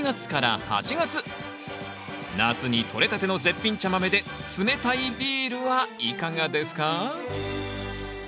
夏にとれたての絶品茶豆で冷たいビールはいかがですか？